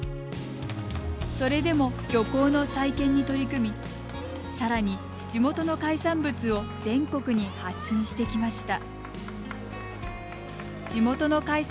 それでも、漁港の再建に取り組みさらに、地元の海産物を全国に発信してきました。